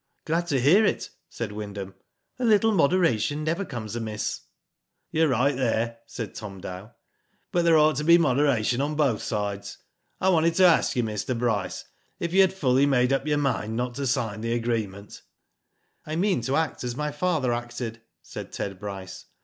"Glad to hear it," said Wyndham. "A little moderation never comes amiss." "You're right there," said Tom Dow, "but there ought to be moderation on both sides. I wanted to ask you, Mr. Bryce, if you had Digitized byGoogk TIVO MEN. 77 fully made up your mind not to sign the agree ment ?"I mean to act as my father acted/' said Ted Bryce.